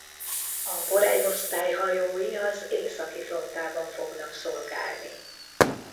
A Borej-osztály hajói az Északi Flottában fognak szolgálni.